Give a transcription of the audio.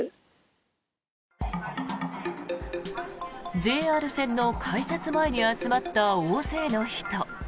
ＪＲ線の改札前に集まった大勢の人。